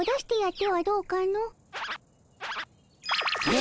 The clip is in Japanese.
え！